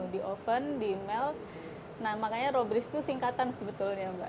di oven di melk nah makanya robris itu singkatan sebetulnya mbak